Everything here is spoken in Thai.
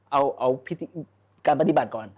เอาการปฏิบัติก่อน